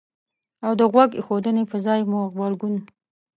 او د غوږ ایښودنې په ځای مو غبرګون